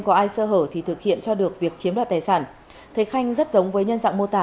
để tiếp tục làm sao